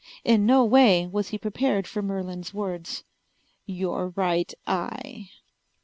In no way was he prepared for Merlin's words. "Your right eye."